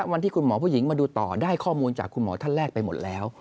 วันที่คุณหมอผู้หญิงมาดูต่อได้ข้อมูลจากคุณหมอท่านแรกไปหมดแล้ว